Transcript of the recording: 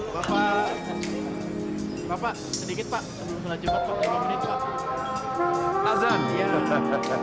bapak sedikit pak